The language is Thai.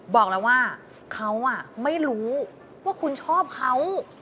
บอกแล้วว่าเขาไม่รู้ว่าคุณชอบเขา